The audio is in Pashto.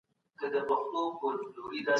سياست د ټولنيز نظم او قدرت مطالعه کوي.